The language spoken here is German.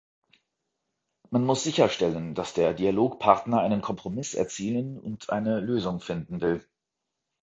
Man muss sicherstellen, dass der Dialogpartner einen Kompromiss erzielen und eine Lösung finden will.